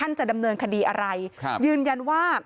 ท่านจะดำเนินคดีอะไรยืนยันว่า